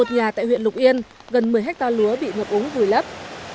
một nhà tại huyện lục yên gần một mươi hectare lúa bị ngập úng vùi lấp